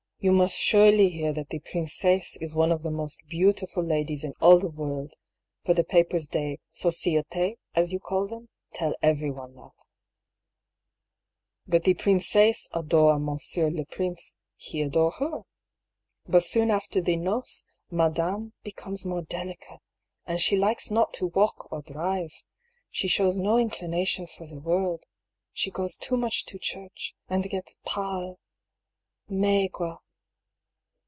You must surely hear that the princesse is one of the most beautiful ladies in all the world ; for the papers de Sodite^ as you call them, tell everyone that. The princesse adore M. le prince ; he adore her. Bat soon after the noces madame be 164 I>K. PAULL'S THEORY. comes more delicate, and she likes not to walk or drive; she shows no inclination for the world ; she goes much to the church,«and gets pdle^ maigre.